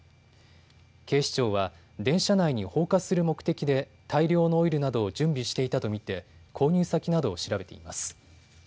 警視庁は電車内に放火する目的で大量のオイルなどを準備していたと見て購入先などを調べています。